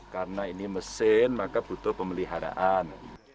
karena ini mesin maka butuh pemeliharaan